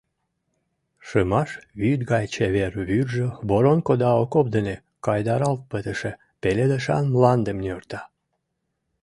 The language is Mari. Шымаш вӱд гай чевер вӱржӧ воронко да окоп дене кайдаралт пытыше пеледышан мландым нӧрта.